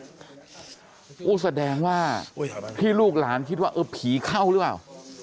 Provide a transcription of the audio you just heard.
โอ้โหแสดงว่าที่ลูกหลานคิดว่าเออผีเข้าหรือเปล่า